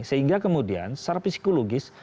sehingga kemudian secara psikologis